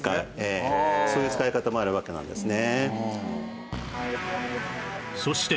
そういう使い方もあるわけなんですね。